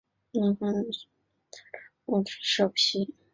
末端跨越牛稠溪接万丹乡大昌路至社皮。